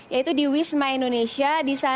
yaitu di wisma indonesia